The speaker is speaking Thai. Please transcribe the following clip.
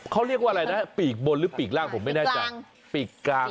เขาเรียกว่าอะไรนะปีกบนหรือปีกล่างผมไม่แน่ใจปีกกลาง